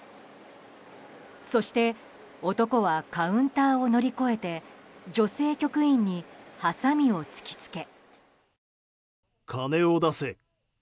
そして男はカウンターを乗り越えて女性局員にはさみを突きつけ。